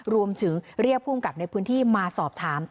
รวมถึงเรียกภูมิกับในพื้นที่มาสอบถาม